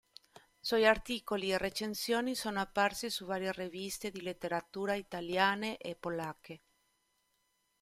Suoi articoli e recensioni sono apparsi su varie riviste di letteratura italiane e polacche.